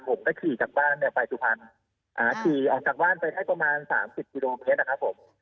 ผมก็ขี่จากบ้านเนี่ยไปสุพรรณขี่ออกจากบ้านไปให้ประมาณสามสิบกิโลเมตรนะครับผม